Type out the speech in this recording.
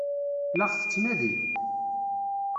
La ɣ-tettnadi?